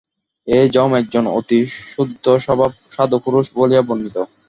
এই যম একজন অতি শুদ্ধস্বভাব সাধুপুরুষ বলিয়া বর্ণিত।